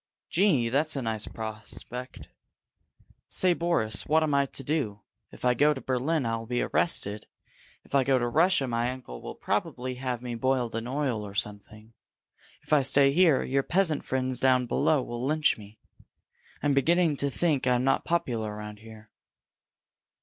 "Gee! That's a nice prospect! Say, Boris, what am I to do? If I go to Berlin, I'll be arrested! If I go back to Russia, my uncle will probably have me boiled in oil or something! If I stay here, your peasant friends down below will lynch me! I'm beginning to think I'm not popular around here!"